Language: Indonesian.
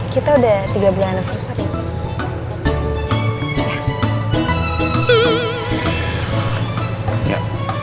kita udah tiga belian anniversary ya